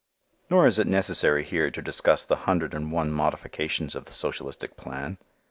Nor is it necessary here to discuss the hundred and one modifications of the socialistic plan.